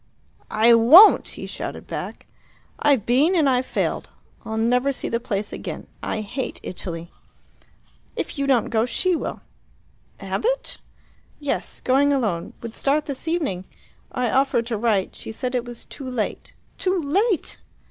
"I won't!" he shouted back. "I've been and I've failed. I'll never see the place again. I hate Italy." "If you don't go, she will." "Abbott?" "Yes. Going alone; would start this evening. I offered to write; she said it was 'too late!' Too late!